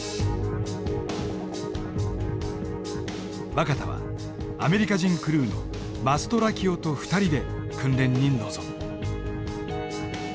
若田はアメリカ人クルーのマストラキオと２人で訓練に臨む。